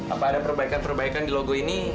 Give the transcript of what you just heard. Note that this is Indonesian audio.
apa ada perbaikan perbaikan di logo ini